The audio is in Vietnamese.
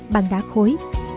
bằng đá khối